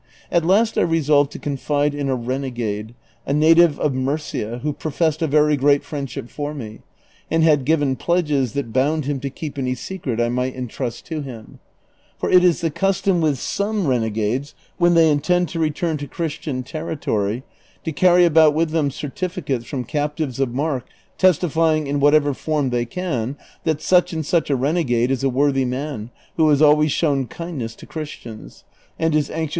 At last I resolved to confide in a renegade, a native of JMurcia, who professed a very great friendship for me, and had given pledges that bound him to keep any secret I might intrust to him ; for it is the custom with some renegades, when they intend to return to Christian territoiy, to carry about them certificates from captives of mark testifying, in whatever form they can, that such and such a renegade is a worthy man who has always shown kindness to Christians, and is anxious ' La Pata, a fort near Oran. CHAPTER XL.